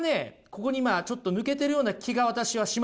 ここにちょっと抜けてるような気が私はします。